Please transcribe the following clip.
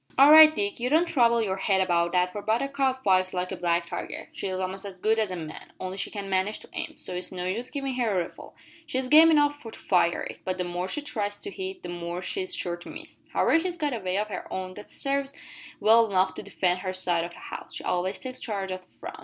"All right Dick; you don't trouble your head about that for Buttercup fights like a black tiger. She's a'most as good as a man only she can't manage to aim, so it's no use givin' her a rifle. She's game enough to fire it, but the more she tries to hit, the more she's sure to miss. However she's got a way of her own that sarves well enough to defend her side o' the house. She always takes charge o' the front.